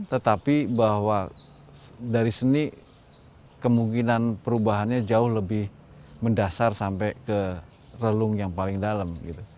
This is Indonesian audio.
tetapi bahwa dari seni kemungkinan perubahannya jauh lebih mendasar sampai ke relung yang paling dalam